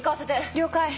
了解！